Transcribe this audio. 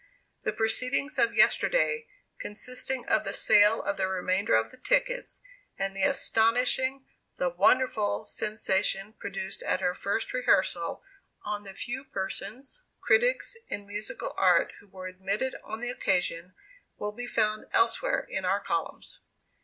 The proceedings of yesterday, consisting of the sale of the remainder of the tickets, and the astonishing, the wonderful sensation produced at her first rehearsal on the few persons, critics in musical art, who were admitted on the occasion, will be found elsewhere in our columns.